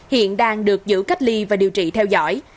hiện đang được giữ cách ly và điều trị theo dõi